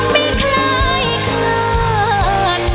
ไม่คล้ายขาด